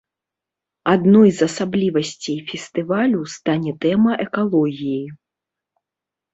Адной з асаблівасцей фестывалю стане тэма экалогіі.